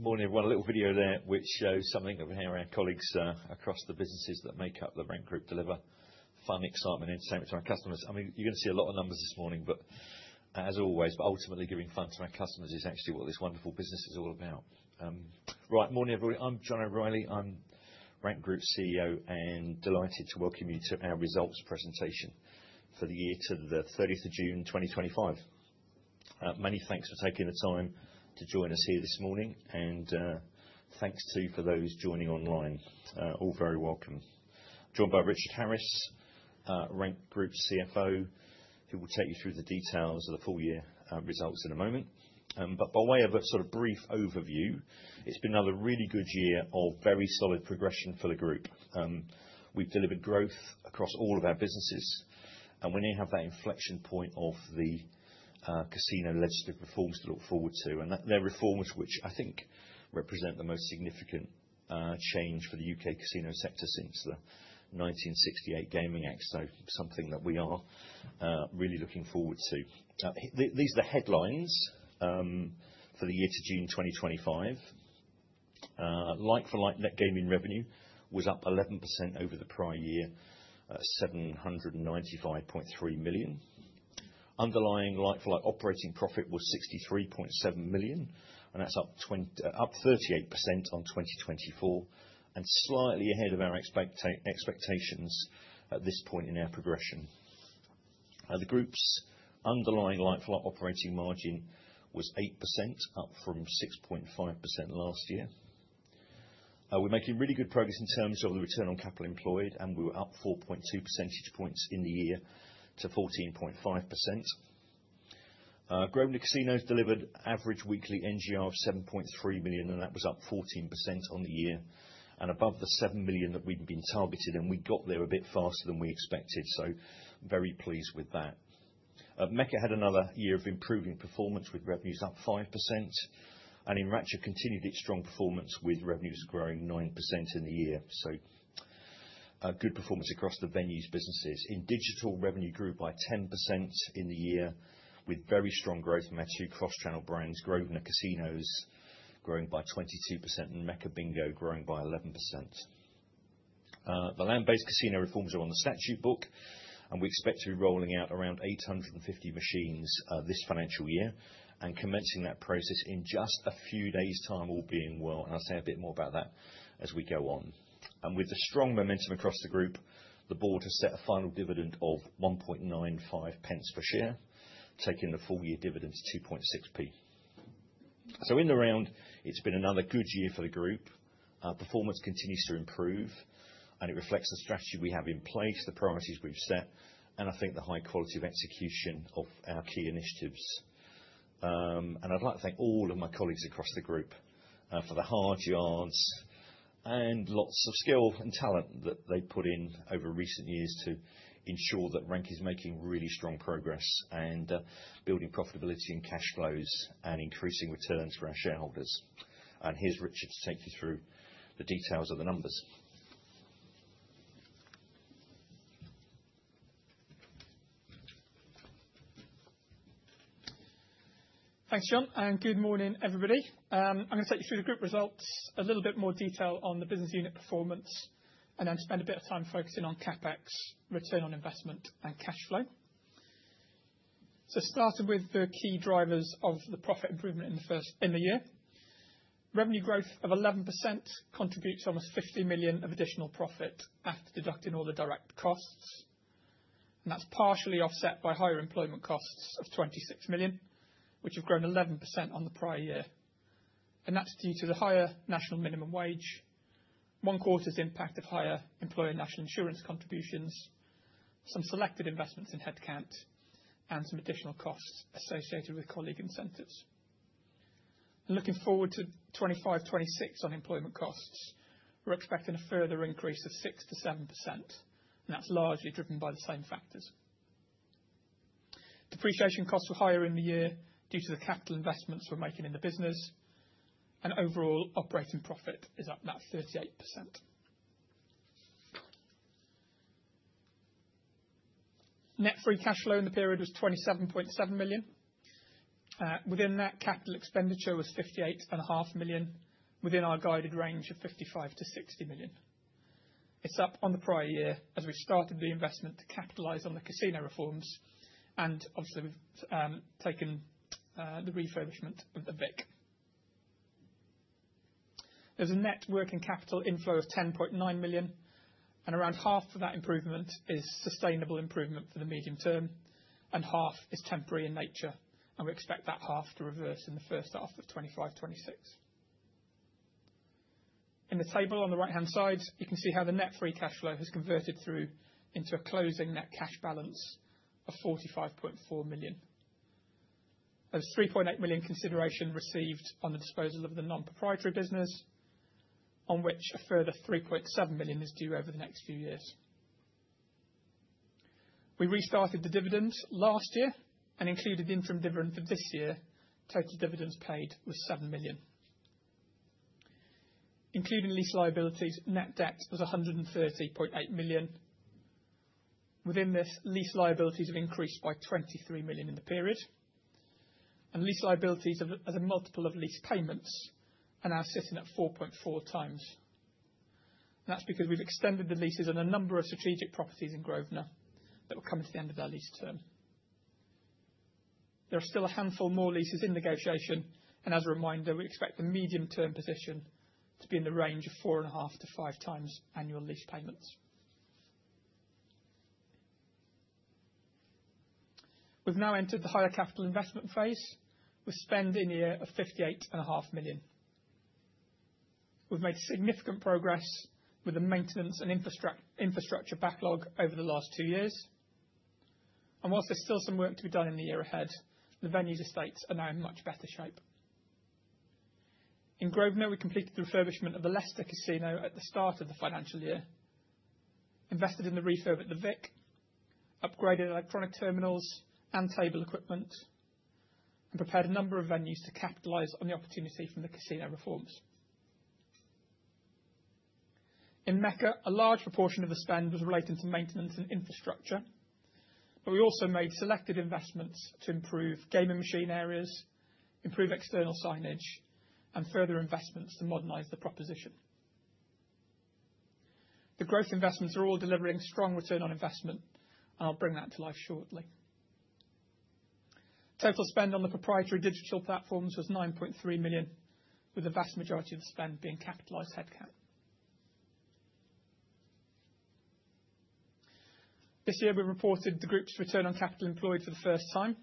Morning. We've got a little video there which shows something of how our colleagues, across the businesses that make up The Rank Group, deliver fun, excitement, and incentives to our customers. I mean, you're going to see a lot of numbers this morning, as always, but ultimately giving funds to our customers is actually what this wonderful business is all about. Right. Morning, everybody. I'm John O'Reilly. I'm Rank Group CEO and delighted to welcome you to our results presentation for the year to the 30th of June, 2025. Many thanks for taking the time to join us here this morning, and thanks to you for those joining online. All very welcome. Joined by Richard Harris, Rank Group CFO, who will take you through the details of the full year results in a moment. By way of a brief overview, it's been another really good year of very solid progression for the group. We've delivered growth across all of our businesses. We now have that inflection point of the casino legislative reforms to look forward to. The reforms, which I think represent the most significant change for the U.K. casino sector since the 1968 Gaming Act, are something that we are really looking forward to. These are the headlines for the year to June 2025. Like-for-like net gaming revenue was up 11% over the prior year, £795.3 million. Underlying like-for-like operating profit was £63.7 million, and that's up 38% on 2024 and slightly ahead of our expectations at this point in our progression. The group's underlying like-for-like operating margin was 8%, up from 6.5% last year. We're making really good progress in terms of the return on capital employed, and we were up 4.2 percentage points in the year to 14.5%. Grosvenor Casinos delivered average weekly NGR of £7.3 million, and that was up 14% on the year and above the £7 million that we'd been targeting. We got there a bit faster than we expected, so very pleased with that. Mecca had another year of improving performance with revenues up 5%. Enracha continued its strong performance with revenues growing 9% in the year. Good performance across the venues businesses. In digital, revenue grew by 10% in the year with very strong growth matched to cross-channel brands. Grosvenor Casinos growing by 22% and Mecca Bingo growing by 11%. The land-based casino reforms are on the statute book. We expect to be rolling out around 850 machines this financial year and commencing that process in just a few days' time, all being well. I'll say a bit more about that as we go on. With the strong momentum across the group, the board has set a final dividend of £0.0195 per share, taking the full year dividends to £0.026. In the round, it's been another good year for the group. Performance continues to improve, and it reflects the strategy we have in place, the priorities we've set, and I think the high quality of execution of our key initiatives. I'd like to thank all of my colleagues across the group for the hard yards and lots of skill and talent that they put in over recent years to ensure that Rank is making really strong progress, building profitability and cash flows, and increasing returns for our shareholders. Here's Richard to take you through the details of the numbers. Thanks, John. Good morning, everybody. I'm going to take you through the group results, a little bit more detail on the business unit performance, and then spend a bit of time focusing on CapEx, return on investment, and cash flow. Starting with the key drivers of the profit improvement in the first in the year, revenue growth of 11% contributes to almost £50 million of additional profit after deducting all the direct costs. That's partially offset by higher employment costs of £26 million, which have grown 11% on the prior year. That's due to the higher national minimum wage, one quarter's impact of higher employer national insurance contributions, some selected investments in headcount, and some additional costs associated with colleague incentives. Looking forward to 2025-2026 on employment costs, we're expecting a further increase of 6%-7%. That's largely driven by the same factors. Depreciation costs were higher in the year due to the capital investments we're making in the business. Overall operating profit is up, and that's 38%. Net free cash flow in the period was £27.7 million. Within that, capital expenditure was £58.5 million within our guided range of £55 million-£60 million. It's up on the prior year as we've started the investment to capitalize on the casino reforms and also we've taken the refurbishment of the VIC. There's a net working capital inflow of £10.9 million. Around half of that improvement is sustainable improvement for the medium term, and half is temporary in nature. We expect that half to reverse in the first half of 2025-2026. In the table on the right-hand side, you can see how the net free cash flow has converted through into a closing net cash balance of £45.4 million. There's £3.8 million consideration received on the disposal of the non-proprietary business, on which a further £3.7 million is due over the next few years. We restarted the dividends last year and included in from dividends for this year, total dividends paid was £7 million. Including lease liabilities, net debt was £130.8 million. Within this, lease liabilities have increased by £23 million in the period. Lease liabilities are the multiple of lease payments and are sitting at 4.4x. That's because we've extended the leases on a number of strategic properties in Grosvenor that will come at the end of our lease term. There are still a handful more leases in negotiation. As a reminder, we expect the medium-term position to be in the range of 4.5x-5x annual lease payments. We've now entered the higher capital investment phase with spend in the year of £58.5 million. We've made significant progress with the maintenance and infrastructure backlog over the last two years. Whilst there's still some work to be done in the year ahead, the venues estates are now in much better shape. In Grosvenor, we completed the refurbishment of the Leicester Casino at the start of the financial year, invested in the refurb at the VIC, upgraded electronic terminals and table equipment, and prepared a number of venues to capitalize on the opportunity from the casino reforms. In Mecca, a large proportion of the spend was related to maintenance and infrastructure. We also made selected investments to improve gaming machine areas, improve external signage, and further investments to modernize the proposition. The growth investments are all delivering strong return on investment. I'll bring that to life shortly. Total spend on the proprietary digital platforms was £9.3 million, with the vast majority of the spend being capitalized headcount. This year, we reported the group's return on capital employed for the first time.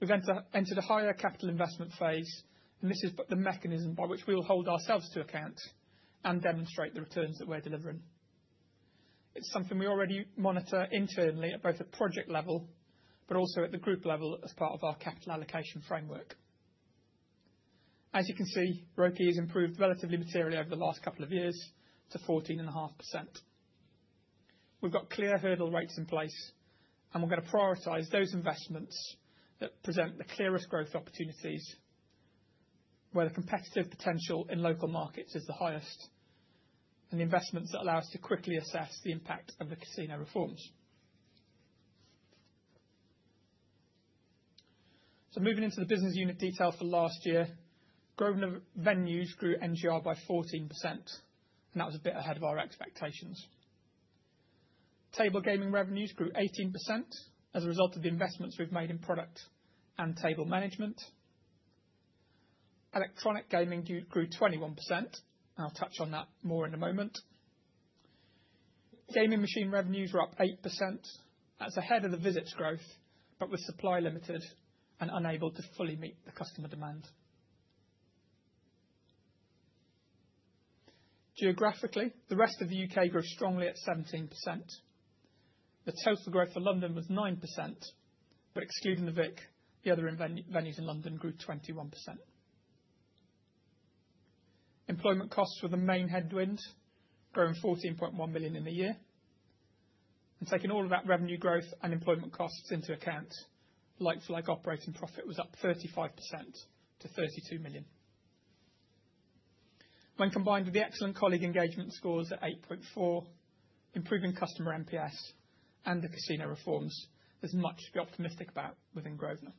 We've entered a higher capital investment phase. This is the mechanism by which we will hold ourselves to account and demonstrate the returns that we're delivering. It's something we already monitor internally at both the project level and at the group level as part of our capital allocation framework. As you can see, ROCE has improved relatively materially over the last couple of years to 14.5%. We've got clear hurdle rates in place. We are going to prioritize those investments that present the clearest growth opportunities where the competitive potential in local markets is the highest and the investments that allow us to quickly assess the impact of the casino reforms. Moving into the business unit detail for last year, Grosvenor venues grew net gaming revenue by 14%. That was a bit ahead of our expectations. Table gaming revenues grew 18% as a result of the investments we've made in product and table management. Electronic gaming grew 21%. I'll touch on that more in a moment. Gaming machine revenues were up 8%. That's ahead of the visits growth but with supply limited and unable to fully meet the customer demand. Geographically, the rest of the U.K. grew strongly at 17%. The total growth for London was 9%. Excluding the VIC, the other venues in London grew 21%. Employment costs were the main headwinds, growing £14.1 million in the year. Taking all of that revenue growth and employment costs into account, like-for-like operating profit was up 35% to £32 million. When combined with the excellent colleague engagement scores at 8.4, improving customer NPS, and the casino reforms, there's much to be optimistic about within Grosvenor.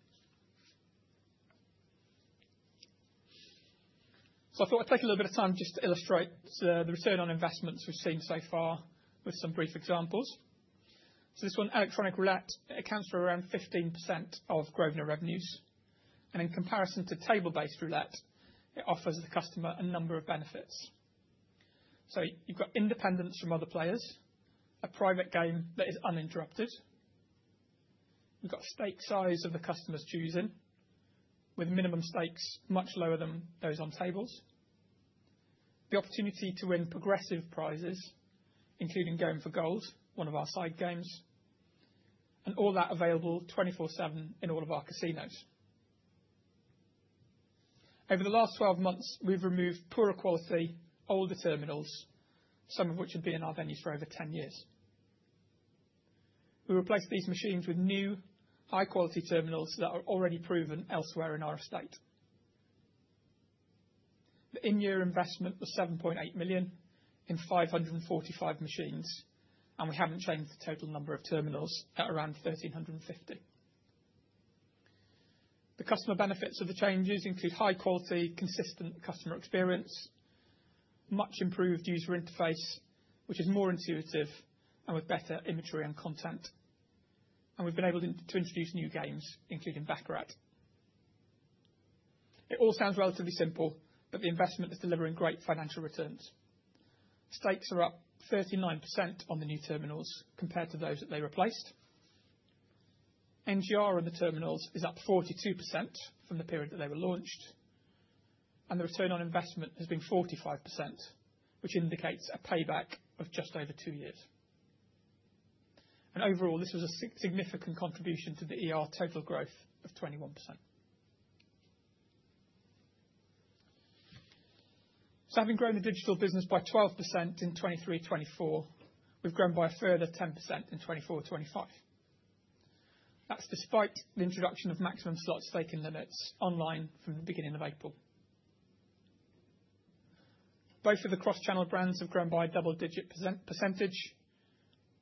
I thought I'd take a little bit of time just to illustrate the return on investments we've seen so far with some brief examples. This one, electronic roulette, accounts for around 15% of Grosvenor revenues. In comparison to table-based roulette, it offers the customer a number of benefits. You've got independence from other players, a private game that is uninterrupted. We've got stake size of the customer's choosing, with minimum stakes much lower than those on tables. The opportunity to win progressive prizes, including Going for Goals, one of our side games, and all that available 24/7 in all of our casinos. Over the last 12 months, we've removed poorer quality, older terminals, some of which have been in our venues for over 10 years. We replaced these machines with new, high-quality terminals that are already proven elsewhere in our estate. The in-year investment was £7.8 million in 545 machines. We haven't changed the total number of terminals at around 1,350. The customer benefits of the changes include high-quality, consistent customer experience, much improved user interface, which is more intuitive and with better imagery and content. We've been able to introduce new games, including Baccarat. It all sounds relatively simple, but the investment is delivering great financial returns. Stakes are up 39% on the new terminals compared to those that they replaced. NGR on the terminals is up 42% from the period that they were launched. The return on investment has been 45%, which indicates a payback of just over two years. Overall, this was a significant contribution to the total growth of 21%. Having grown the digital business by 12% in 2023-2024, we've grown by a further 10% in 2024-2025. That's despite the introduction of maximum slot staking limits online from the beginning of April. Both of the cross-channel brands have grown by a double-digit percentage,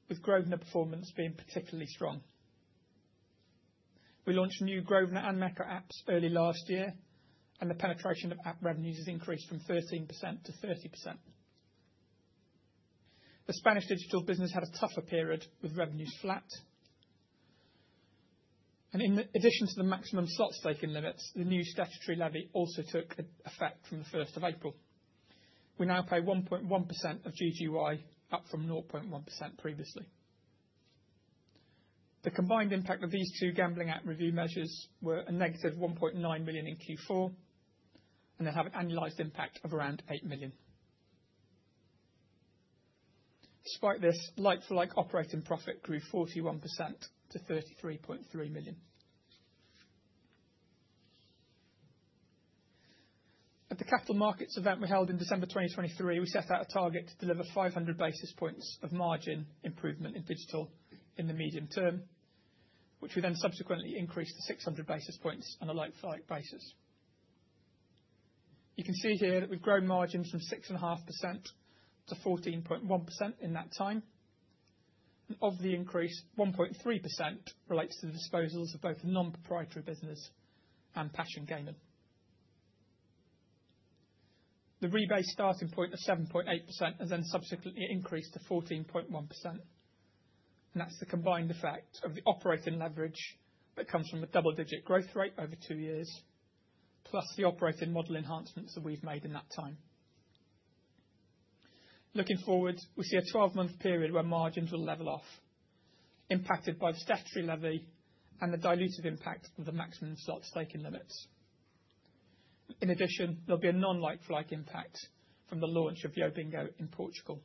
with Grosvenor performance being particularly strong. We launched new Grosvenor and Mecca apps early last year. The penetration of app revenues has increased from 13%-30%. The Spanish digital business had a tougher period with revenues flat. In addition to the maximum slot staking limits, the new statutory levy also took effect from April 1, 2023. We now pay 1.1% of GGY, up from 0.1% previously. The combined impact of these two gambling app review measures was a negative £1.9 million in Q4, and they have an annualized impact of around £8 million. Despite this, like-for-like operating profit grew 41% to £33.3 million. At the capital markets event we held in December 2023, we set out a target to deliver 500 basis points of margin improvement in digital in the medium term, which we then subsequently increased to 600 basis points on a like-for-like basis. You can see here that we've grown margins from 6.5%-14.1% in that time. Of the increase, 1.3% relates to the disposals of both the non-proprietary business and Passion Gaming. The rebate starting point was 7.8% and then subsequently increased to 14.1%. That's the combined effect of the operating leverage that comes from the double-digit growth rate over two years, plus the operating model enhancements that we've made in that time. Looking forward, we see a 12-month period where margins will level off, impacted by the statutory levy and the dilutive impacts of the maximum slot staking limits. In addition, there will be a non-like-for-like impact from the launch of YoBingo in Portugal.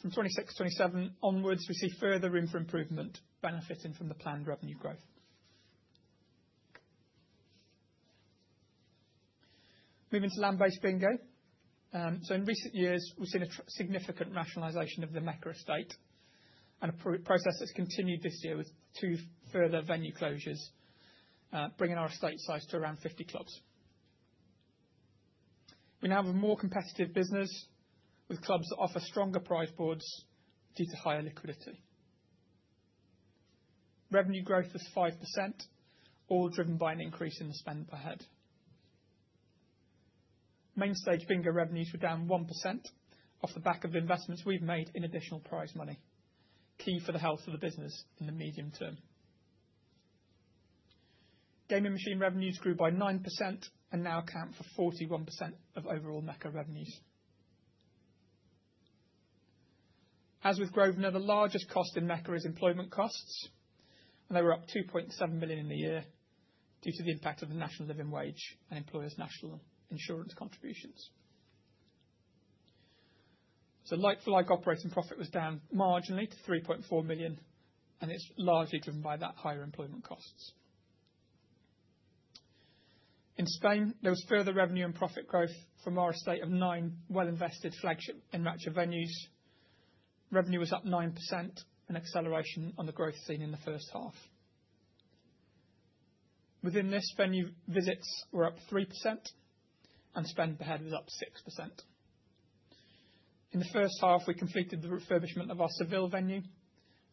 From 2026-2027 onwards, we see further room for improvement, benefiting from the planned revenue growth. Moving to land-based bingo, in recent years, we've seen a significant rationalization of the Mecca estate, a process that's continued this year with two further venue closures, bringing our estate size to around 50 clubs. We now have a more competitive business with clubs that offer stronger prize boards due to higher liquidity. Revenue growth was 5%, all driven by an increase in the spend ahead. Mainstage bingo revenues were down 1% off the back of investments we've made in additional prize money, key for the health of the business in the medium term. Gaming machine revenues grew by 9% and now account for 41% of overall Mecca revenues. As with Grosvenor, the largest cost in Mecca is employment costs, and they were up £2.7 million in the year due to the impact of the national living wage and employer's national insurance contributions. Like-for-like operating profit was down marginally to £3.4 million. It's largely driven by that higher employment costs. In Spain, there was further revenue and profit growth from our estate of nine well-invested flagship Enracha venues. Revenue was up 9%, an acceleration on the growth seen in the first half. Within this, venue visits were up 3% and spend ahead was up 6%. In the first half, we completed the refurbishment of our Seville venue.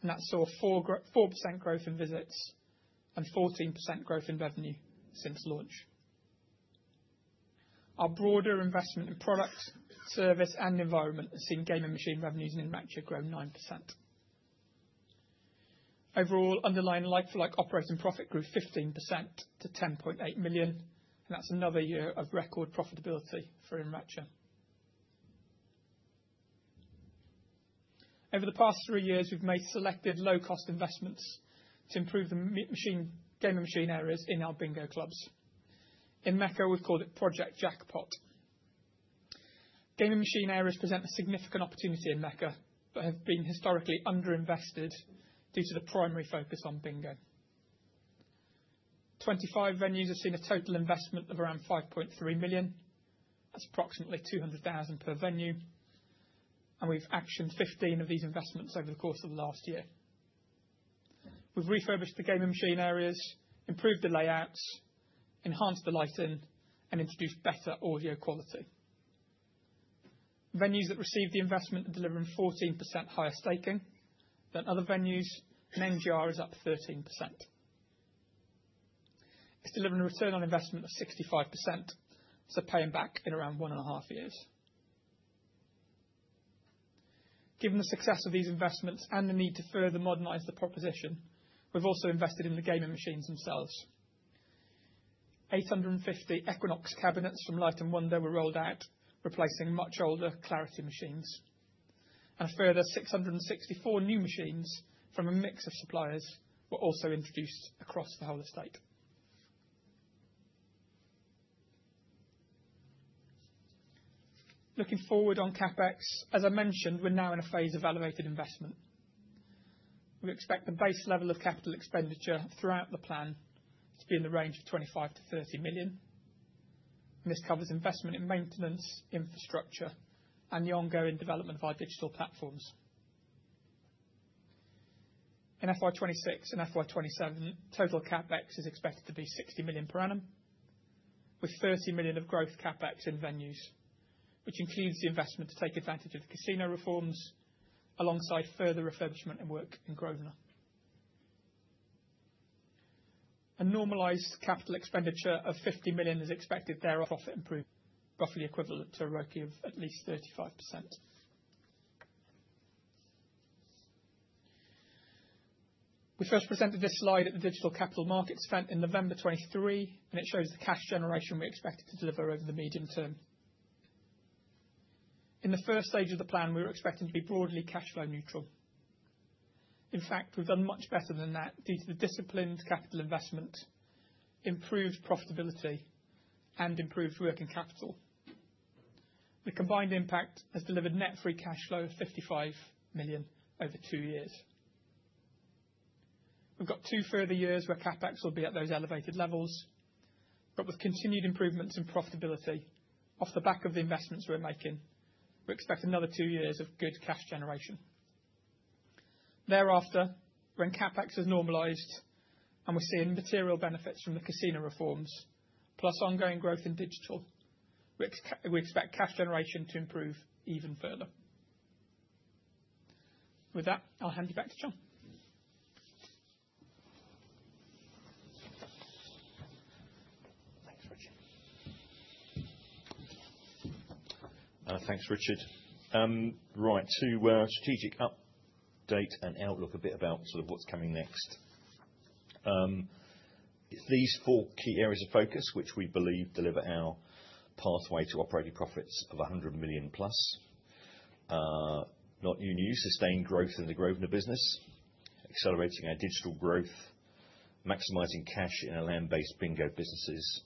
That saw 4% growth in visits and 14% growth in revenue since launch. Our broader investment in product, service, and the environment has seen gaming machine revenues in Enracha grow 9%. Overall, underlying like-for-like operating profit grew 15% to €10.8 million. That's another year of record profitability for Enracha. Over the past three years, we've made selected low-cost investments to improve the gaming machine areas in our bingo clubs. In Mecca, we've called it Project Jackpot. Gaming machine areas present a significant opportunity in Mecca but have been historically underinvested due to the primary focus on bingo. 25 venues have seen a total investment of around £5.3 million. That's approximately £200,000 per venue. We've actioned 15 of these investments over the course of the last year. We've refurbished the gaming machine areas, improved the layouts, enhanced the lighting, and introduced better audio quality. Venues that received the investment are delivering 14% higher staking than other venues, and NGR is up 13%. It's delivering a return on investment of 65%, so paying back in around 1.5 years. Given the success of these investments and the need to further modernize the proposition, we've also invested in the gaming machines themselves. 850 Equinox cabinets from Light & Wonder were rolled out, replacing much older Clarity machines. A further 664 new machines from a mix of suppliers were also introduced across the whole estate. Looking forward on CapEx, as I mentioned, we're now in a phase of elevated investment. We expect the base level of capital expenditure throughout the plan to be in the range of £25 million-£30 million. This covers investment in maintenance, infrastructure, and the ongoing development of our digital platforms. In FY 2026 and FY 2027, total CapEx is expected to be £60 million per annum, with £30 million of growth CapEx in venues, which includes the investment to take advantage of the casino reforms alongside further refurbishment and work in Grosvenor. A normalized capital expenditure of £50 million is expected thereof, of it improved, roughly equivalent to a ROCE of at least 35%. We first presented this slide at the Digital Capital Markets event in November 2023. It shows the cash generation we expect to deliver over the medium term. In the first stage of the plan, we were expecting to be broadly cash flow neutral. In fact, we've done much better than that due to the disciplined capital investment, improved profitability, and improved working capital. The combined impact has delivered net free cash flow of £55 million over two years. We've got two further years where CapEx will be at those elevated levels. With continued improvements in profitability off the back of the investments we're making, we expect another two years of good cash generation. Thereafter, when CapEx is normalized and we see material benefits from the casino reforms, plus ongoing growth in digital, we expect cash generation to improve even further. With that, I'll hand you back to John. Thanks, Richard. Right. Strategic update and outlook, a bit about what's coming next. It's these four key areas of focus which we believe deliver our pathway to operating profits of £100+ million. Not new news, sustained growth in the Grosvenor business, accelerating our digital growth, maximizing cash in our land-based bingo businesses,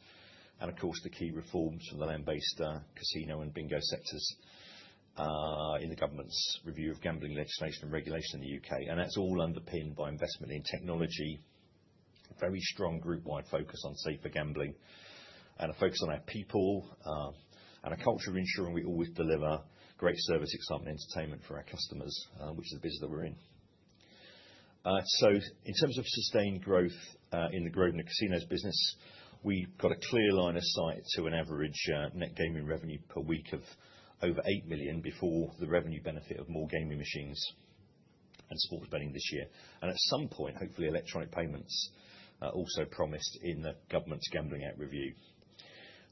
and of course, the key reforms from the land-based casino and bingo sectors in the government's review of gambling legislation and regulation in the U.K. That's all underpinned by investment in technology, a very strong group-wide focus on safer gambling, and a focus on our people and a culture of ensuring we always deliver great service, excitement, and entertainment for our customers, which is the business that we're in. In terms of sustained growth in the Grosvenor Casinos business, we've got a clear line of sight to an average net gaming revenue per week of over £8 million before the revenue benefit of more gaming machines. It's all depending this year. At some point, hopefully, electronic payments, also promised in the government's gambling app review.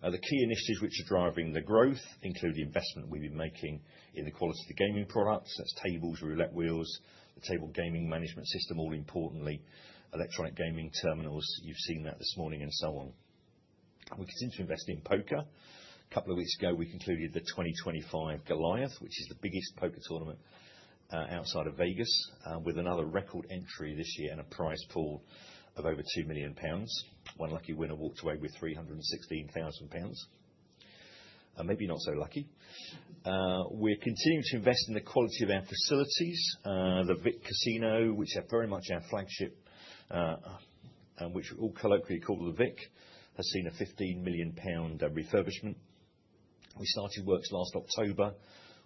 The key initiatives which are driving the growth include the investment we've been making in the quality of the gaming products. That's tables, roulette wheels, the table gaming management system, all importantly, electronic gaming terminals. You've seen that this morning and so on. We continue to invest in poker. A couple of weeks ago, we concluded the 2025 Goliath, which is the biggest poker tournament outside of Vegas, with another record entry this year and a prize pool of over £2 million. One lucky winner walked away with £316,000. Maybe not so lucky. We're continuing to invest in the quality of our facilities. The VIC casino, which is very much our flagship and which we all colloquially call the VIC, has seen a £15 million refurbishment. We started works last October.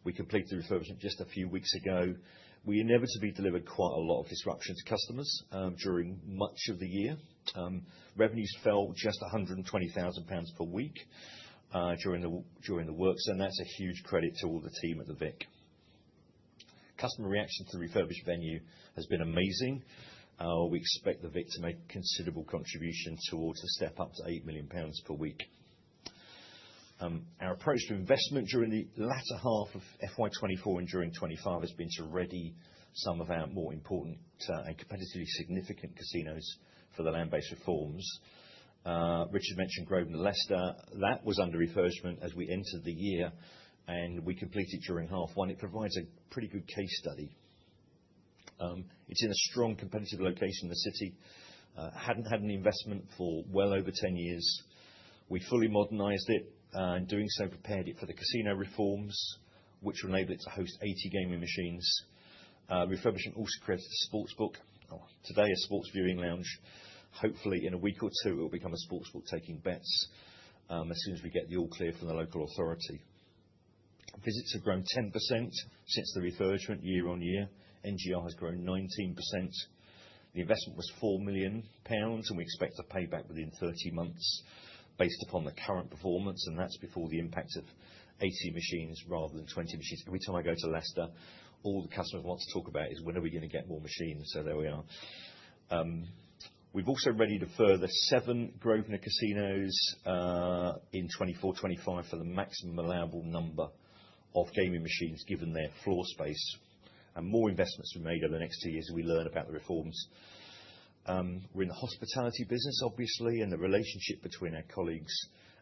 We completed the refurbishment just a few weeks ago. We inevitably delivered quite a lot of disruption to customers during much of the year. Revenues fell just £120,000 per week during the works. That's a huge credit to all the team at the VIC. Customer reaction to the refurbished venue has been amazing. We expect the VIC to make considerable contributions towards a step up to £8 million per week. Our approach to investment during the latter half of FY 2024 and during 2025 has been to ready some of our more important, and competitively significant casinos for the land-based reforms. Richard mentioned Grosvenor Leicester. That was under refurbishment as we entered the year, and we completed it during half one. It provides a pretty good case study. It's in a strong competitive location in the city, hadn't had any investment for well over 10 years. We fully modernized it, and in doing so, prepared it for the casino reforms, which will enable it to host 80 gaming machines. Refurbishing also creates a sports book, well, today a sports viewing lounge. Hopefully, in a week or two, it will become a sports book taking bets, as soon as we get the all-clear from the local authority. Visits have grown 10% since the refurbishment year-on-year. NGR has grown 19%. The investment was £4 million, and we expect a payback within 30 months based upon the current performance. That's before the impact of 80 machines rather than 20 machines. Every time I go to Leicester, all the customers want to talk about is, "When are we going to get more machines?" There we are. We've also readied a further seven Grosvenor casinos in 2024-2025 for the maximum allowable number of gaming machines given their floor space. More investments will be made over the next two years as we learn about the reforms. We're in the hospitality business, obviously, and the relationship between our colleagues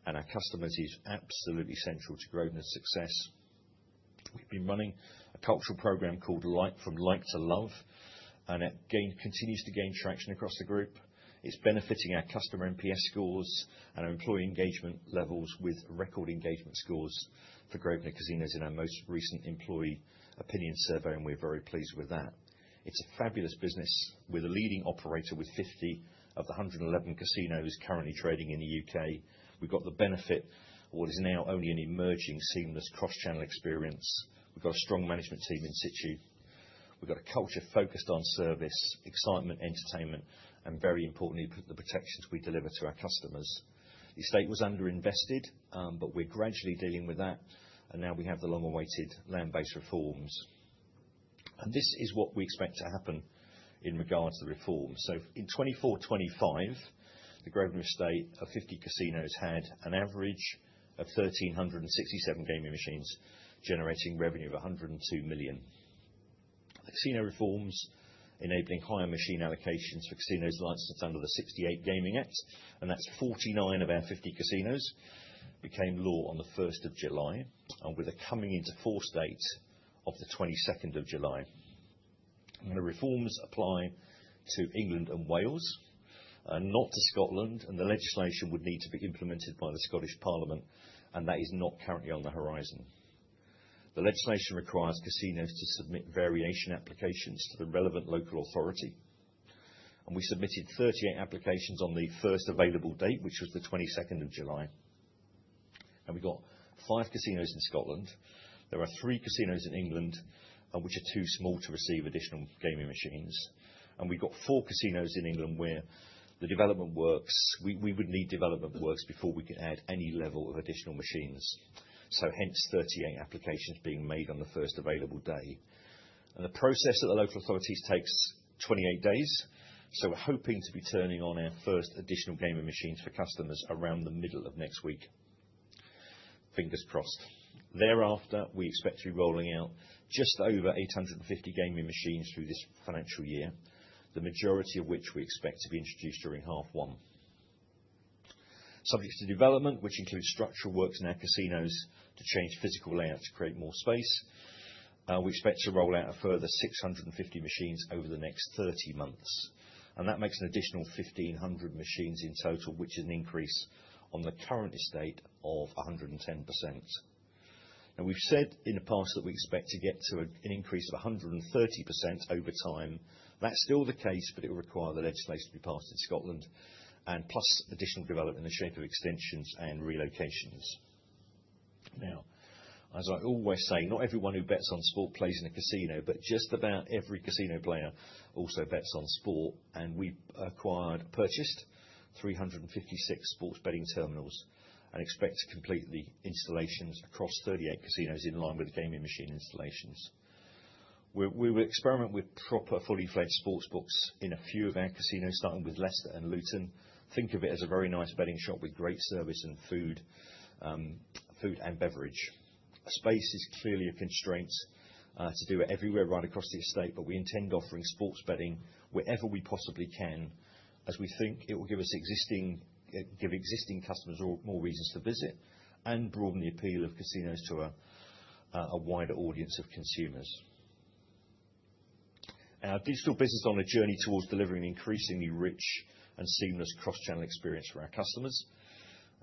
and our customers is absolutely central to Grosvenor's success. We've been running a cultural program called Like From Like To Love, and it continues to gain traction across the group. It's benefiting our customer NPS scores and our employee engagement levels, with record engagement scores for Grosvenor Casinos in our most recent employee opinion survey. We're very pleased with that. It's a fabulous business. We're the leading operator with 50 of the 111 casinos currently trading in the U.K. We've got the benefit of what is now only an emerging, seamless cross-channel experience. We've got a strong management team in situ. We've got a culture focused on service, excitement, entertainment, and very importantly, the protections we deliver to our customers. The estate was underinvested, but we're gradually dealing with that. Now we have the long-awaited land-based reforms, and this is what we expect to happen in regards to the reforms. In 2024-2025, the Grosvenor estate of 50 casinos had an average of 1,367 gaming machines, generating revenue of £102 million. The casino reforms enable higher machine allocations for casinos and licenses under the 1968 Gaming Act. Forty-nine of our 50 casinos became law on July 1, with a coming into force date of July 22. The reforms apply to England and Wales, not to Scotland. Legislation would need to be implemented by the Scottish Parliament, and that is not currently on the horizon. The legislation requires casinos to submit variation applications to the relevant local authority. We submitted 38 applications on the first available date, which was 22nd of July. We have five casinos in Scotland. There are three casinos in England which are too small to receive additional gaming machines. We have four casinos in England where we would need development works before we could add any level of additional machines. Hence, 38 applications were made on the first available day. The process at the local authorities takes 28 days. We are hoping to be turning on our first additional gaming machines for customers around the middle of next week. Fingers crossed. Thereafter, we expect to be rolling out just over 850 gaming machines through this financial year, the majority of which we expect to be introduced during H1. Subject to development, which includes structural works in our casinos to change physical layout to create more space, we expect to roll out a further 650 machines over the next 30 months. That makes an additional 1,500 machines in total, which is an increase on the current estate of 110%. We have said in the past that we expect to get to an increase of 130% over time. That is still the case, but it will require the legislation to be passed in Scotland plus additional development in the shape of extensions and relocations. As I always say, not everyone who bets on sport plays in a casino, but just about every casino player also bets on sport. We have acquired, purchased 356 sports betting terminals and expect to complete the installations across 38 casinos in line with the gaming machine installations. We will experiment with proper fully-fledged sports books in a few of our casinos, starting with Leicester and Luton. Think of it as a very nice betting shop with great service and food, food and beverage. Space is clearly a constraint to do it everywhere right across the estate. We intend offering sports betting wherever we possibly can as we think it will give existing customers more reasons to visit and broaden the appeal of casinos to a wider audience of consumers. Our digital business is on a journey towards delivering an increasingly rich and seamless cross-channel experience for our customers.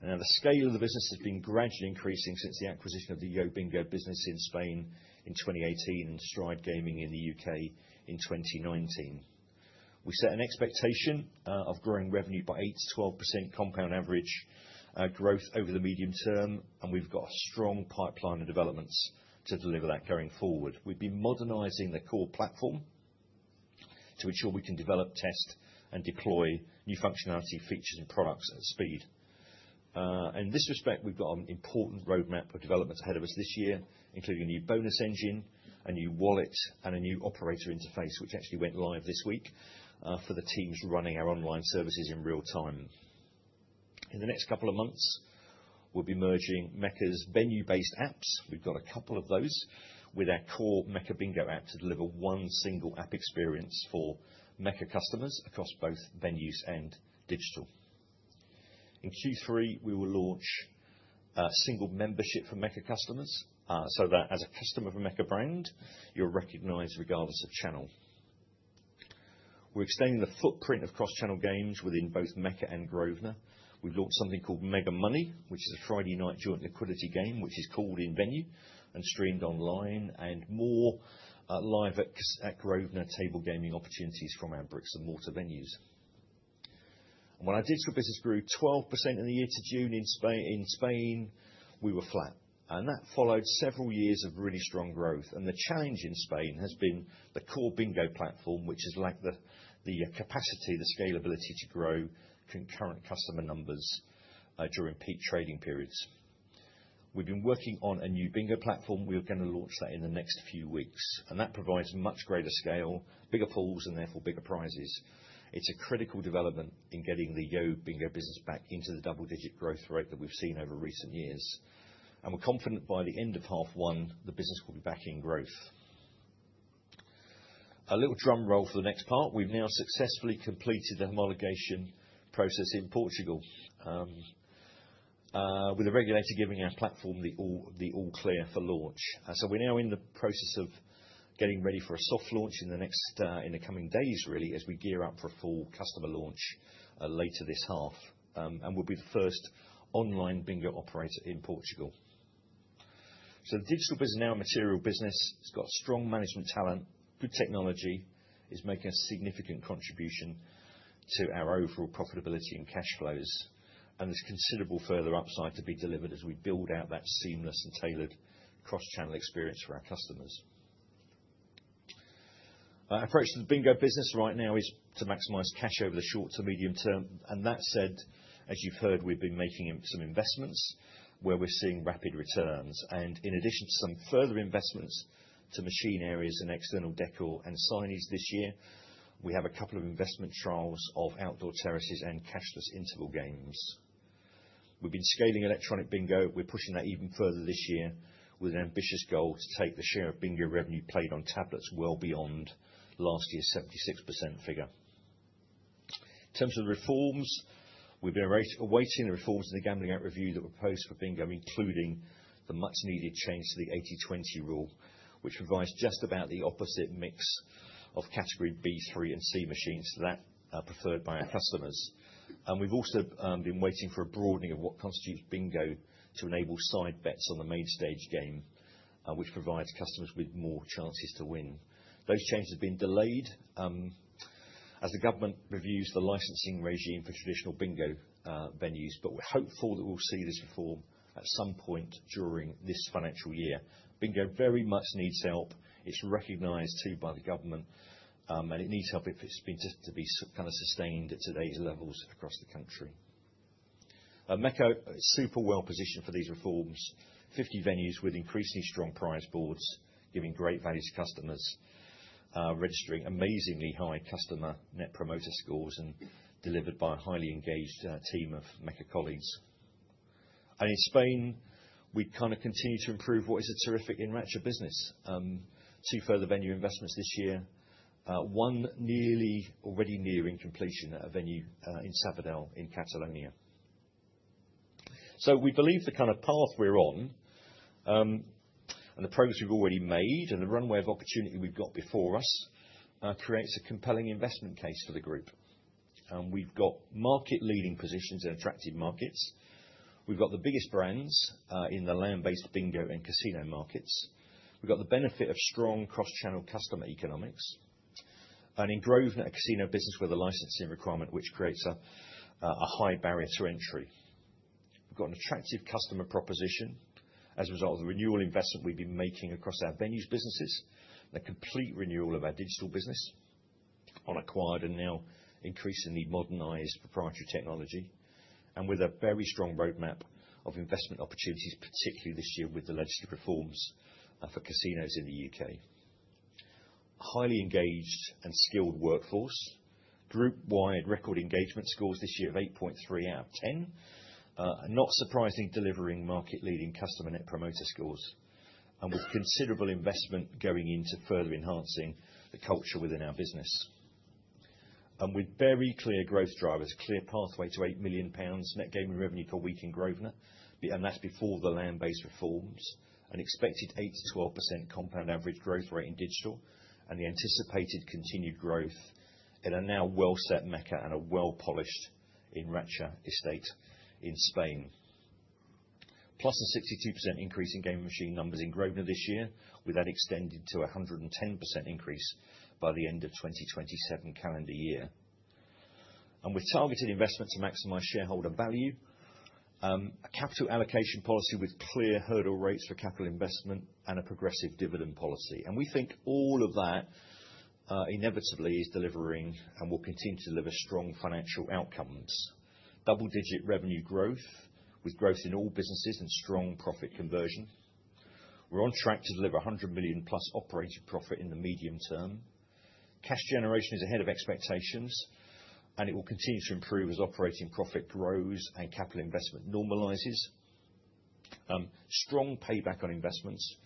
The scale of the business has been gradually increasing since the acquisition of the YoBingo business in Spain in 2018 and Stride Gaming in the U.K. in 2019. We set an expectation of growing revenue by 8%-12% compound average growth over the medium term. We've got a strong pipeline of developments to deliver that going forward. We've been modernizing the core platform to ensure we can develop, test, and deploy new functionality, features, and products at speed. In this respect, we've got an important roadmap of developments ahead of us this year, including a new bonus engine, a new wallet, and a new operator interface, which actually went live this week for the teams running our online services in real time. In the next couple of months, we'll be merging Mecca's venue-based apps—we've got a couple of those—with our core Mecca Bingo app to deliver one single app experience for Mecca customers across both venues and digital. In Q3, we will launch a single membership for Mecca customers so that as a customer of a Mecca brand, you're recognized regardless of channel. We're staying in the footprint of cross-channel games within both Mecca and Grosvenor. We've launched something called Mega Money, which is a Friday night joint liquidity game, which is called in venue and streamed online, and more live at Grosvenor table gaming opportunities from our bricks and mortar venues. When our digital business grew 12% in the year to June in Spain, we were flat. That followed several years of really strong growth. The challenge in Spain has been the core bingo platform, which has lacked the capacity, the scalability to grow concurrent customer numbers during peak trading periods. We've been working on a new bingo platform. We are going to launch that in the next few weeks. That provides much greater scale, bigger pools, and therefore bigger prizes. It's a critical development in getting the YoBingo business back into the double-digit growth rate that we've seen over recent years. We're confident by the end of half one, the business will be back in growth. A little drum roll for the next part. We've now successfully completed the homologation process in Portugal, with a regulator giving our platform the all-clear for launch. We're now in the process of getting ready for a soft launch in the coming days, really, as we gear up for a full customer launch later this half. We'll be the first online bingo operator in Portugal. The digital business is now a material business. It's got strong management talent, good technology, is making a significant contribution to our overall profitability and cash flows. There's considerable further upside to be delivered as we build out that seamless and tailored cross-channel experience for our customers. Our approach to the bingo business right now is to maximize cash over the short to medium term. That said, as you've heard, we've been making some investments where we're seeing rapid returns. In addition to some further investments to machine areas and external deco and signage this year, we have a couple of investment trials of outdoor terraces and cashless interval games. We've been scaling electronic bingo. We're pushing that even further this year with an ambitious goal to take the share of bingo revenue played on tablets well beyond last year's 76% figure. In terms of the reforms, we've been awaiting the reforms in the gambling app review that were proposed for bingo, including the much-needed change to the 80/20 rule, which provides just about the opposite mix of category B3 and C machines that are preferred by our customers. We've also been waiting for a broadening of what constitutes bingo to enable side bets on the mainstage game, which provides customers with more chances to win. Those changes have been delayed, as the government reviews the licensing regime for traditional bingo venues. We're hopeful that we'll see this reform at some point during this financial year. Bingo very much needs help. It's recognized too by the government, and it needs help if it's been tested to be kind of sustained at today's levels across the country. Mecca is super well-positioned for these reforms. 50 venues with increasingly strong prize boards giving great value to customers, registering amazingly high customer net promoter scores and delivered by a highly engaged team of Mecca colleagues. In Spain, we continue to improve what is a terrific Enracha business. Two further venue investments this year, one nearly already nearing completion at a venue in Sabadell in Catalonia. We believe the path we're on, the progress we've already made, and the runway of opportunity we've got before us creates a compelling investment case for the group. We've got market-leading positions in attractive markets. We've got the biggest brands in the land-based bingo and casino markets. We've got the benefit of strong cross-channel customer economics. In Grosvenor, a casino business with a licensing requirement creates a high barrier to entry. We've got an attractive customer proposition as a result of the renewal investment we've been making across our venues businesses, a complete renewal of our digital business on acquired and now increasingly modernized proprietary technology, and with a very strong roadmap of investment opportunities, particularly this year with the legislative reforms for casinos in the U.K. A highly engaged and skilled workforce. Group-wide record engagement scores this year of 8.3 out of 10, not surprising, delivering market-leading customer net promoter scores. With considerable investment going into further enhancing the culture within our business, and with very clear growth drivers, clear pathway to £8 million net gaming revenue per week in Grosvenor. That's before the land-based reforms. An expected 8%-12% compound average growth rate in digital, and the anticipated continued growth in a now well-set Mecca and a well-polished Enracha estate in Spain. Plus a 62% increase in gaming machine numbers in Grosvenor this year, with that extended to a 110% increase by the end of 2027 calendar year. We're targeting investment to maximize shareholder value, capital allocation policy with clear hurdle rates for capital investment and a progressive dividend policy. We think all of that inevitably is delivering and will continue to deliver strong financial outcomes. Double-digit revenue growth with growth in all businesses and strong profit conversion. We're on track to deliver £100+ million operating profit in the medium term. Cash generation is ahead of expectations, and it will continue to improve as operating profit grows and capital investment normalizes. Strong payback on investments.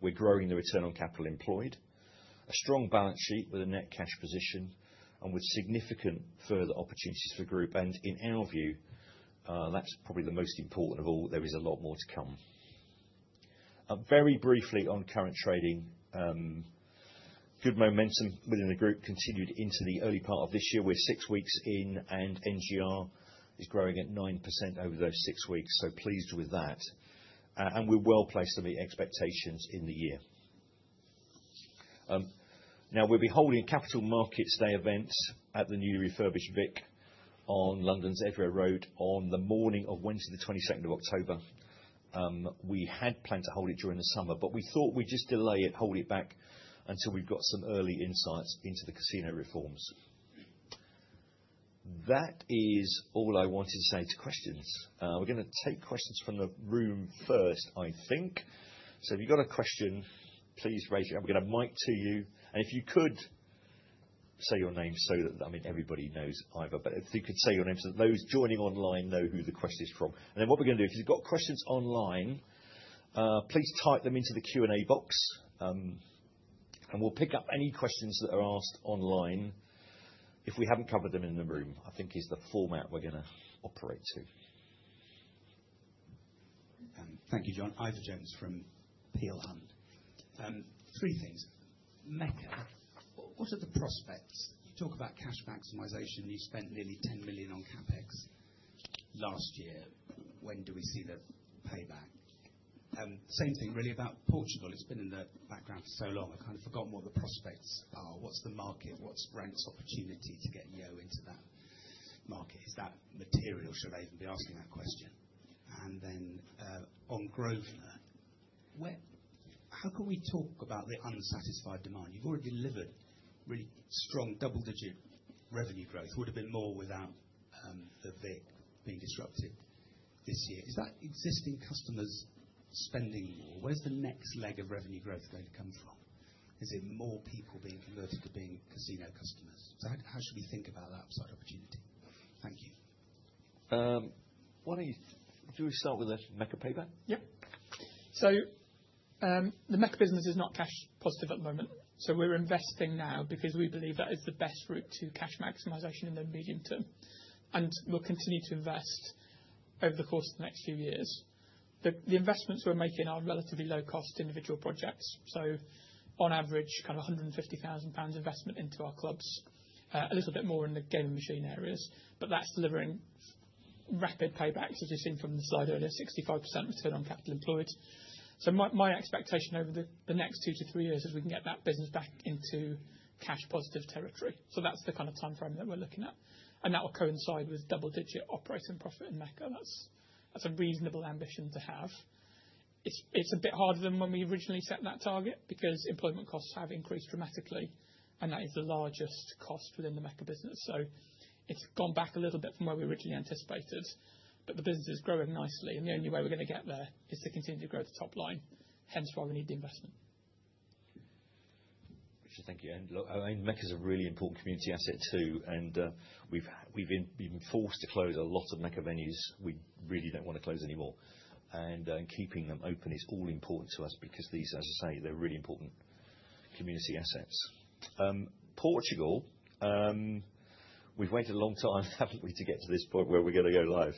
We're growing the return on capital employed. A strong balance sheet with a net cash position and with significant further opportunities for the group. In our view, that's probably the most important of all. There is a lot more to come. Very briefly on current trading, good momentum within the group continued into the early part of this year. We're six weeks in, and NGR is growing at 9% over those six weeks. Pleased with that, and we're well placed to meet expectations in the year. We will be holding a capital markets day event at the newly refurbished VIC on London's Edgware Road on the morning of Wednesday, the 22nd of October. We had planned to hold it during the summer, but we thought we'd just delay it, hold it back until we've got some early insights into the casino reforms. That is all I wanted to say to questions. We're going to take questions from the room first, I think. If you've got a question, please raise it, and we're going to have a mic to you. If you could say your name so that, I mean, everybody knows Ivor, but if you could say your name so that those joining online know who the question is from. Then what we're going to do, if you've got questions online, please type them into the Q&A box, and we'll pick up any questions that are asked online if we haven't covered them in the room, I think is the format we're going to operate to. Thank you, John. Ivar James from Peel Hunt. Three things. Mecca, what are the prospects? Talk about cash maximization. You spent nearly £10 million on CapEx last year. When do we see the payback? Same thing really about Portugal. It's been in the background for so long. I kind of forgot what the prospects are. What's the market? What's Rank's opportunity to get Yo into that market? Is that material? Should I even be asking that question? On Grosvenor, how can we talk about the unsatisfied demand? You've already delivered really strong double-digit revenue growth. Would it have been more without the VIC casino being disrupted this year? Is that existing customers spending more? Where's the next leg of revenue growth going to come from? Is it more people being converted to being casino customers? How should we think about that upside opportunity? Thank you. Do you want to start with the rest of the Mecca paper? Yeah. The Mecca business is not cash positive at the moment. We're investing now because we believe that is the best route to cash maximization in the medium term. We'll continue to invest over the course of the next few years. The investments we're making are relatively low-cost individual projects. On average, kind of £150,000 investment into our clubs, a little bit more in the gaming machine areas. That's delivering rapid paybacks, as you've seen from the slide earlier, 65% still on capital employed. My expectation over the next two to three years is we can get that business back into cash positive territory. That's the kind of timeframe that we're looking at. That will coincide with double-digit operating profit in Mecca. That's a reasonable ambition to have. It's a bit harder than when we originally set that target because employment costs have increased dramatically. That is the largest cost within the Mecca business. It's gone back a little bit from where we originally anticipated. The business is growing nicely. The only way we're going to get there is to continue to grow the top line. Hence why we need the investment. Richard, thank you. Mecca's a really important community asset too. We've been forced to close a lot of Mecca venues. We really don't want to close any more. Keeping them open is all important to us because these, as I say, they're really important community assets. Portugal, we've waited a long time, haven't we, to get to this point where we're going to go live.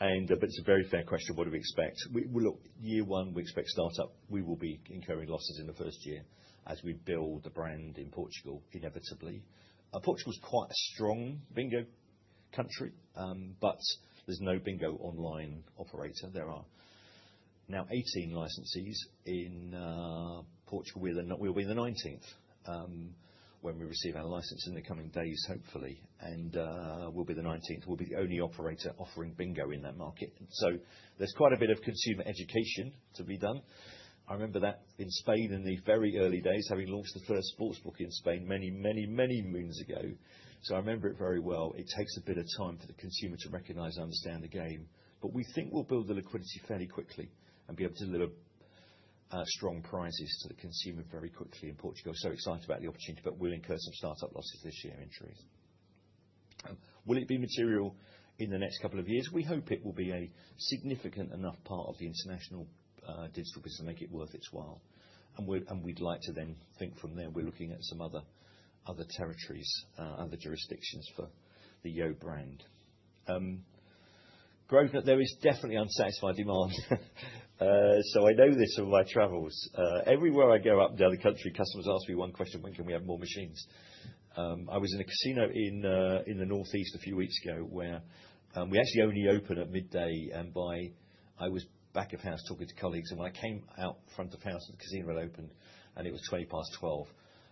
It's a very fair question. What do we expect? Year one, we expect startup. We will be incurring losses in the first year as we build a brand in Portugal inevitably. Portugal's quite a strong bingo country, but there's no bingo online operator. There are now 18 licensees in Portugal. We're the nineteenth, when we receive our license in the coming days, hopefully. We'll be the nineteenth. We'll be the only operator offering bingo in that market. There's quite a bit of consumer education to be done. I remember that in Spain in the very early days, having launched the first sportsbook in Spain many, many, many moons ago. I remember it very well. It takes a bit of time for the consumer to recognize and understand the game. We think we'll build the liquidity fairly quickly and be able to deliver strong prizes to the consumer very quickly in Portugal. Excited about the opportunity. We'll incur some startup losses this year, in truth. Will it be material in the next couple of years? We hope it will be a significant enough part of the international digital business to make it worth its while. We'd like to then think from there. We're looking at some other territories, other jurisdictions for the Yo brand. Grosvenor, there is definitely unsatisfied demand. I know this from my travels. Everywhere I go up and down the country, customers ask me one question. When can we have more machines? I was in a casino in the Northeast a few weeks ago where we actually only open at midday. I was back of house talking to colleagues. When I came out front of house, the casino had opened. It was 12:12 P.M.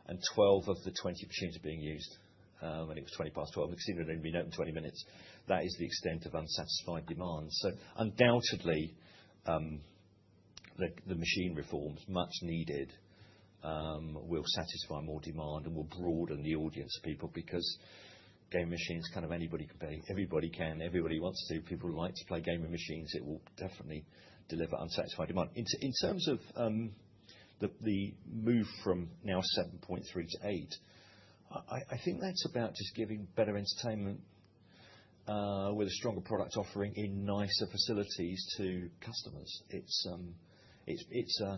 and 12 of the 20 machines are being used. It was 12:12 P.M. The casino had only been open 20 minutes. That is the extent of unsatisfied demand. Undoubtedly, the machine reforms, much needed, will satisfy more demand and will broaden the audience of people because gaming machines, kind of anybody could be. Everybody can. Everybody wants to. People like to play gaming machines. It will definitely deliver unsatisfied demand. In terms of the move from now 7.3-8, I think that's about just giving better entertainment, with a stronger product offering in nicer facilities to customers. It's a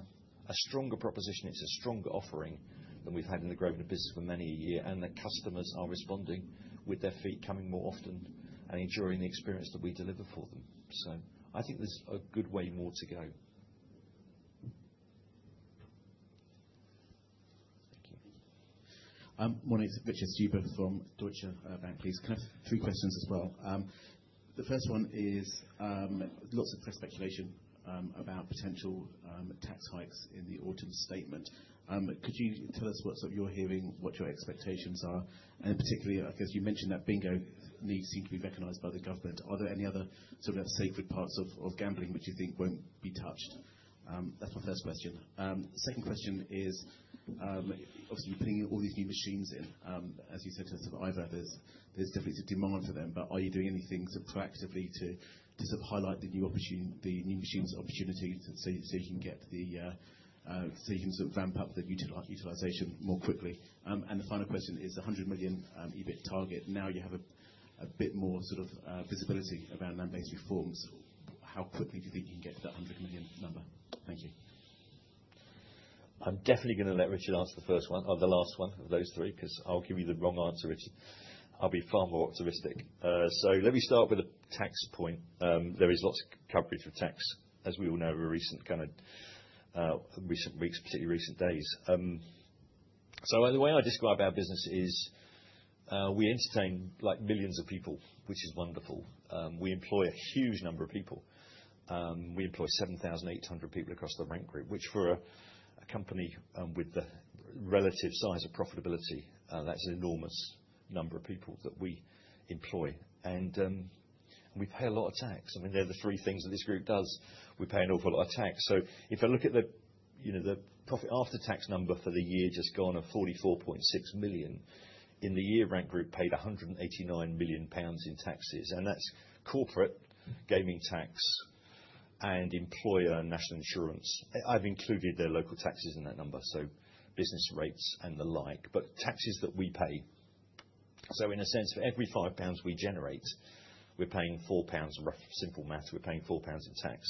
stronger proposition. It's a stronger offering than we've had in the Grosvenor business for many years. The customers are responding with their feet, coming more often and enjoying the experience that we deliver for them. I think there's a good way more to go. Thank you. It's Richard Stuber from Deutsche Bank. Please, kind of three questions as well. The first one is, lots of speculation about potential tax hikes in the autumn statement. Could you tell us what sort of you're hearing, what your expectations are? And particularly, I guess you mentioned that bingo needs seem to be recognized by the government. Are there any other sort of sacred parts of gambling which you think won't be touched? That's my first question. The second question is, obviously, you're putting all these new machines in. As you said, so some eyebrow there. There's definitely some demand for them. Are you doing anything proactively to sort of highlight the new opportunity, the new machines' opportunity so you can ramp up the utilization more quickly? The final question is the £100 million EBIT target. Now you have a bit more visibility around land-based reforms. How quickly do you think you can get to that £100 million number? Thank you. I'm definitely going to let Richard answer the first one or the last one of those three because I'll give you the wrong answer, Richard. I'll be far more optimistic. Let me start with a tax point. There is lots of coverage for tax, as we all know, over recent weeks, particularly recent days. The way I describe our business is, we entertain millions of people, which is wonderful. We employ a huge number of people. We employ 7,800 people across The Rank Group Plc, which for a company with the relative size of profitability, that's an enormous number of people that we employ. We pay a lot of tax. I mean, they're the three things that this group does. We pay an awful lot of tax. If I look at the profit after-tax number for the year just gone of £44.6 million, in the year, Rank Group paid £189 million in taxes. That's corporate, gaming tax, and employer and national insurance. I've included local taxes in that number, so business rates and the like, but taxes that we pay. In a sense, for every £5 we generate, we're paying £4 in rough simple maths. We're paying £4 in tax.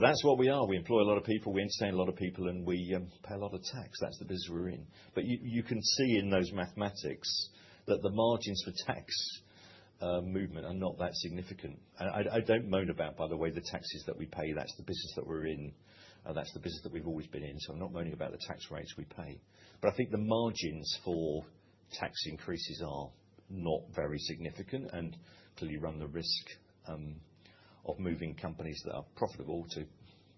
That's what we are. We employ a lot of people. We entertain a lot of people. We pay a lot of tax. That's the business we're in. You can see in those mathematics that the margins for tax movement are not that significant. I don't moan about, by the way, the taxes that we pay. That's the business that we're in. That's the business that we've always been in. I'm not moaning about the tax rates we pay, but I think the margins for tax increases are not very significant. To really run the risk of moving companies that are profitable to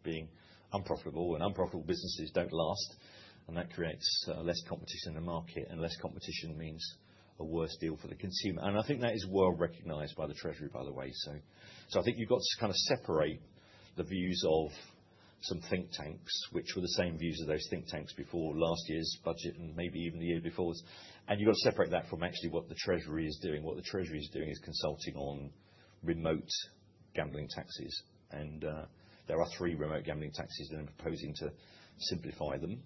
being unprofitable, and unprofitable businesses don't last. That creates less competition in the market, and less competition means a worse deal for the consumer. I think that is well recognized by the Treasury, by the way. I think you've got to kind of separate the views of some think tanks, which were the same views of those think tanks before last year's budget and maybe even the year before. You've got to separate that from actually what the Treasury is doing. What the Treasury is doing is consulting on remote gambling taxes. There are three remote gambling taxes. They're proposing to simplify them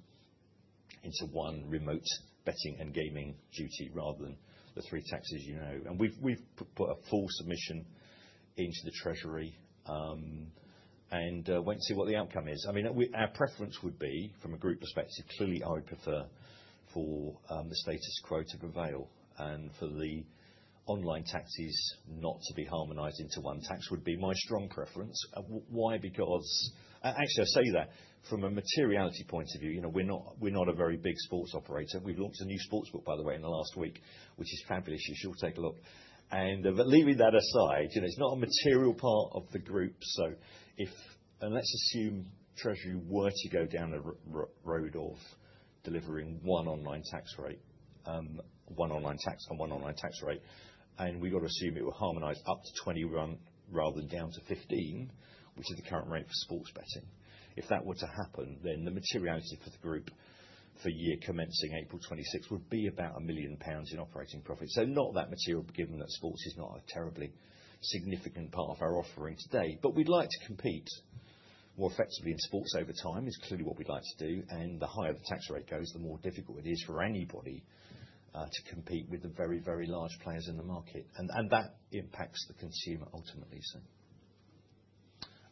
into one remote betting and gaming duty rather than the three taxes you know. We've put a full submission into the Treasury and wait and see what the outcome is. Our preference would be, from a group perspective, clearly I prefer for the status quo to prevail. For the online taxes not to be harmonized into one tax would be my strong preference. Why? Because actually, I'll say that. From a materiality point of view, we're not a very big sports operator. We've launched a new sports book, by the way, in the last week, which is fabulous. You should all take a look. Leaving that aside, it's not a material part of the group. If, and let's assume Treasury were to go down the road of delivering one online tax rate, one online tax and one online tax rate, we've got to assume it will harmonize up to 21% rather than down to 15%, which is the current rate for sports betting. If that were to happen, then the materiality for the group for the year commencing April 2026 would be about £1 million in operating profit. Not that material given that sports is not a terribly significant part of our offering today, but we'd like to compete more effectively in sports over time. It's clearly what we'd like to do, and the higher the tax rate goes, the more difficult it is for anybody to compete with the very, very large players in the market. That impacts the consumer ultimately.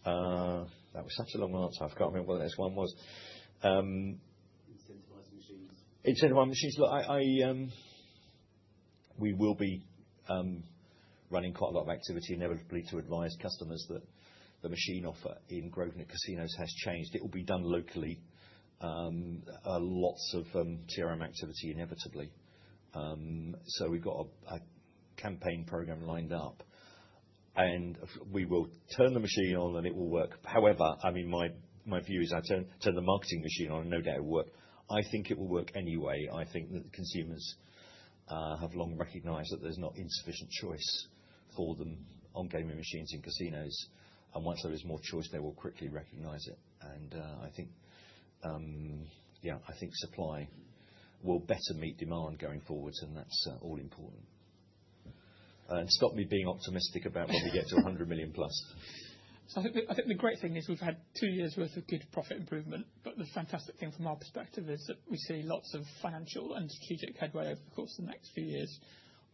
That was such a long answer. I can't remember what the next one was. Incentivize machines. Incentivize machines. We will be running quite a lot of activity inevitably to advise customers that the machine offer in Grosvenor Casinos has changed. It will be done locally. Lots of CRM activity inevitably, so we've got a campaign program lined up. We will turn the machine on and it will work. However, my view is I turn the marketing machine on and no doubt it will work. I think it will work anyway. I think that the consumers have long recognized that there's not insufficient choice for them on gaming machines in casinos. Once there is more choice, they will quickly recognize it. I think supply will better meet demand going forward. That's all important, and stop me being optimistic about when we get to £100+ million. I think the great thing is we've had two years' worth of good profit improvement. The fantastic thing from our perspective is that we've seen lots of financial and strategic headway over the course of the next few years,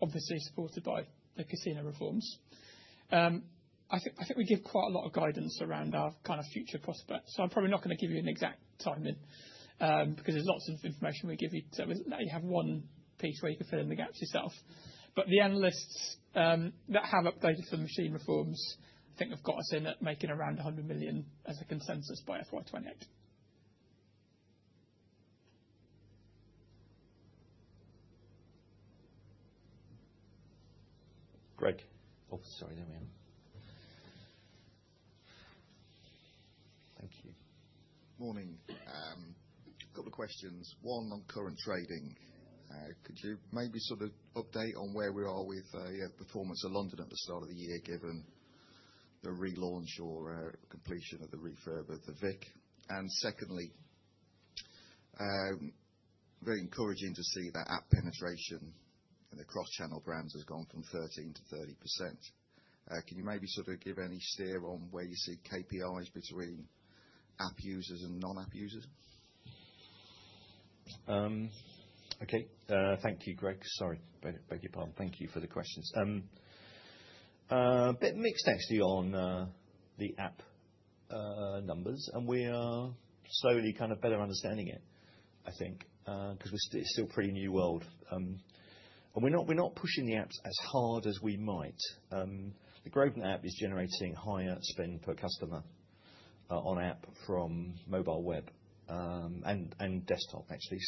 obviously supported by the casino reforms. I think we give quite a lot of guidance around our kind of future prospects. I'm probably not going to give you an exact timing, because there's lots of information we give you so that you have one piece where you can fill in the gaps yourself. The analysts that have updated for the machine reforms think they've got us in at making around £100 million as a consensus by FY 2028. Oh, sorry. There we are. Thank you. Morning. I've got the questions. One on current trading. Could you maybe sort of update on where we are with, yeah, the performance of London at the start of the year given the relaunch or completion of the refurb of the VIC casino? Secondly, very encouraging to see that app penetration in the cross-channel brands has gone from 13%-30%. Can you maybe sort of give any steer on where you see KPIs between app users and non-app users? Okay. Thank you, Greg. Sorry. Beg your pardon. Thank you for the questions. A bit mixed actually on the app numbers. We are slowly kind of better understanding it, I think, because it's still a pretty new world. We're not pushing the apps as hard as we might. The Grosvenor app is generating higher spend per customer on app from mobile web and desktop actually.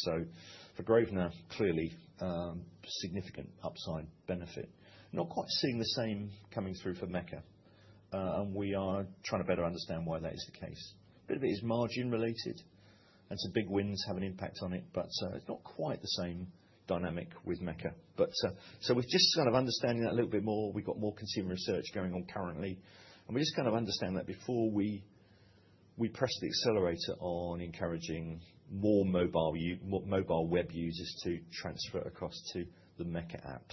For Grosvenor, clearly, significant upside benefit. Not quite seeing the same coming through for Mecca. We are trying to better understand why that is the case. A bit of it is margin related, and some big wins have an impact on it. Not quite the same dynamic with Mecca. We are just kind of understanding that a little bit more. We've got more consumer research going on currently. We just kind of understand that before we press the accelerator on encouraging more mobile web users to transfer across to the Mecca app.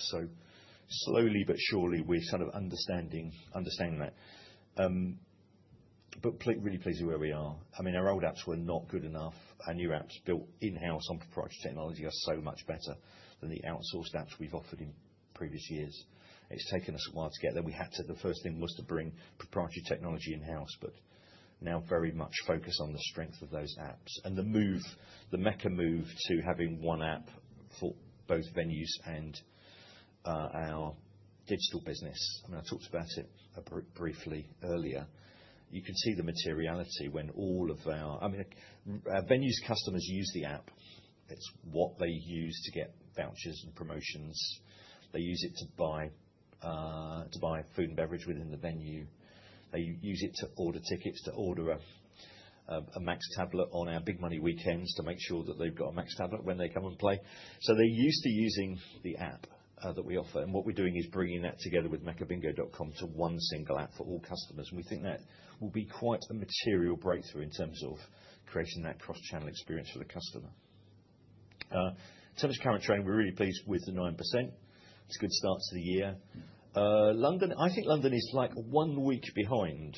Slowly but surely, we're sort of understanding that. Really pleased with where we are. I mean, our old apps were not good enough. Our new apps built in-house on proprietary technology are so much better than the outsourced apps we've offered in previous years. It's taken us a while to get there. The first thing was to bring proprietary technology in-house. Now very much focused on the strengths of those apps and the move, the Mecca move to having one app for both venues and our digital business. I mean, I talked about it briefly earlier. You can see the materiality when all of our venues' customers use the app. It's what they use to get vouchers and promotions. They use it to buy food and beverage within the venue. They use it to order tickets, to order a Max Tableau on our big money weekends to make sure that they've got a Max Tableau when they come and play. They're used to using the app that we offer. What we're doing is bringing that together with meccabingo.com to one single app for all customers. We think that will be quite a material breakthrough in terms of creating that cross-channel experience for the customer. So much current trading. We're really pleased with the 9%. It's a good start to the year. London, I think London is like one week behind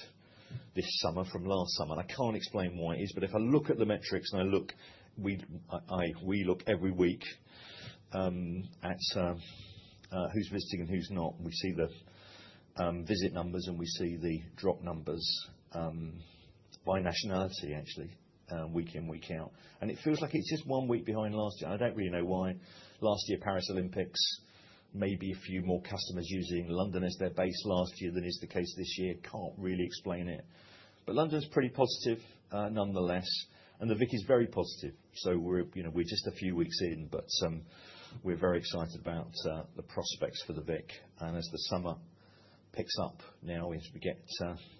this summer from last summer. I can't explain why it is. If I look at the metrics and I look, we look every week at who's visiting and who's not. We see the visit numbers. We see the drop numbers, by nationality actually, week in, week out. It feels like it's just one week behind last year. I don't really know why. Last year, Paris Olympics, maybe a few more customers using London as their base last year than is the case this year. Can't really explain it. London's pretty positive, nonetheless. The VIC is very positive. We're just a few weeks in, but we're very excited about the prospects for the VIC. As the summer picks up now as we get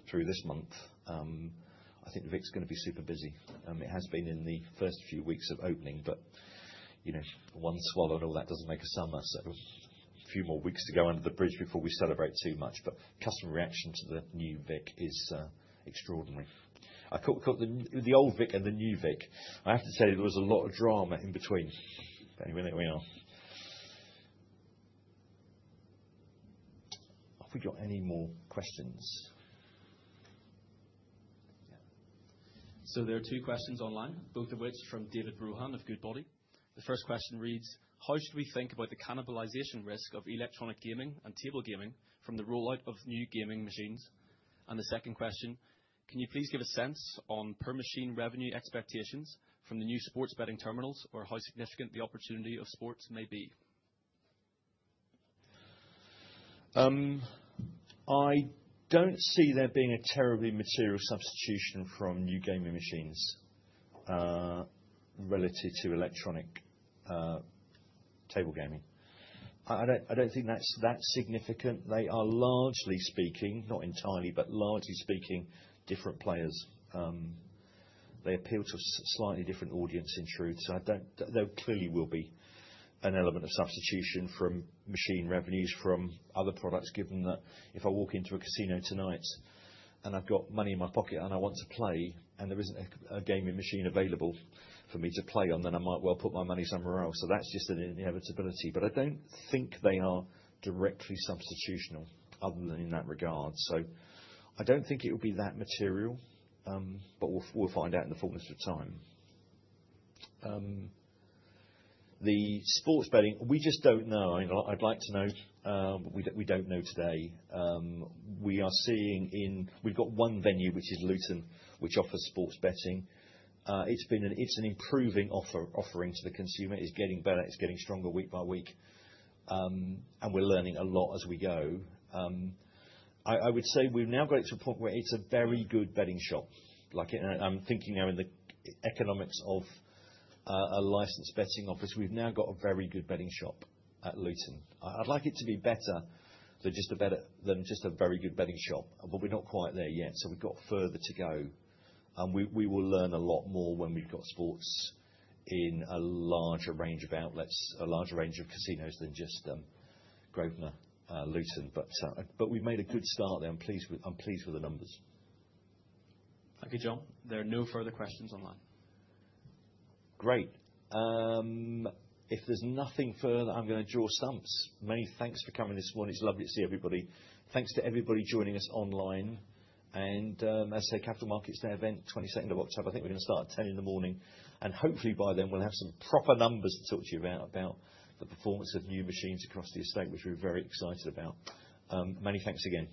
through this month, I think the VIC is going to be super busy. It has been in the first few weeks of opening. One swallow, all that doesn't make a summer. A few more weeks to go under the bridge before we celebrate too much. Customer reaction to the new VIC is extraordinary. I thought we got the old VIC and the new VIC. I have to say there was a lot of drama in between. Anyway, there we are. I forgot any more questions. Yeah. There are two questions online, both of which from David Bruhan of Goodbody. The first question reads, how should we think about the cannibalization risk of electronic gaming and table gaming from the rollout of new gaming machines? The second question, can you please give a sense on per-machine revenue expectations from the new sports betting terminals or how significant the opportunity of sports may be? I don't see there being a terribly material substitution from new gaming machines, relative to electronic table gaming. I don't think that's that significant. They are largely speaking, not entirely, but largely speaking, different players. They appeal to a slightly different audience in truth. I don't think there clearly will be an element of substitution from machine revenues from other products given that if I walk into a casino tonight and I've got money in my pocket and I want to play and there isn't a gaming machine available for me to play on, then I might well put my money somewhere else. That's just an inevitability. I don't think they are directly substitutional other than in that regard. I don't think it will be that material. We'll find out in the fullness of time. The sports betting, we just don't know. I'd like to know, but we don't know today. We are seeing in we've got one venue, which is Luton, which offers sports betting. It's an improving offering to the consumer. It's getting better. It's getting stronger week by week, and we're learning a lot as we go. I would say we've now got it to a point where it's a very good betting shop. Like, I'm thinking now in the economics of a licensed betting office. We've now got a very good betting shop at Luton. I'd like it to be better than just a very good betting shop. We're not quite there yet. We've got further to go. We will learn a lot more when we've got sports in a larger range of outlets, a larger range of casinos than just Grosvenor, Luton. We've made a good start there. I'm pleased with the numbers. Thank you, John. There are no further questions online. Great. If there's nothing further, I'm going to draw a sum. Many thanks for coming this morning. It's lovely to see everybody. Thanks to everybody joining us online. Capital Markets Day event, 22nd of October. I think we're going to start at 10:00 A.M. Hopefully, by then, we'll have some proper numbers to talk to you about, about the performance of new machines across the estate, which we're very excited about. Many thanks again.